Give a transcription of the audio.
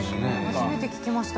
初めて聞きました。